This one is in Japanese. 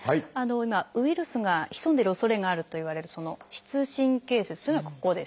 今ウイルスが潜んでいるおそれがあるといわれる膝神経節というのがここですね。